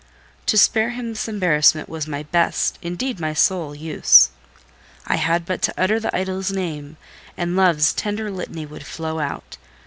To spare him this embarrassment was my best, indeed my sole use. I had but to utter the idol's name, and love's tender litany would flow out.